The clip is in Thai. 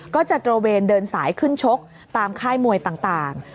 ตระเวนเดินสายขึ้นชกตามค่ายมวยต่าง